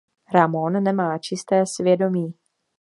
Ramón nemá čisté svědomí.